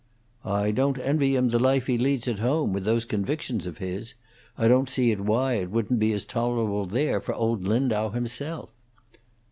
"I don't envy him the life he leads at home, with those convictions of his. I don't see why it wouldn't be as tolerable there for old Lindau himself."